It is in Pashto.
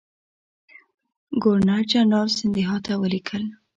ګورنرجنرال سیندهیا ته ولیکل.